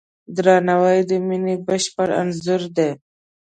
درناوی د مینې بشپړ انځور دی.